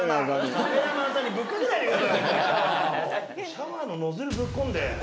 シャワーのノズルぶっ込んで。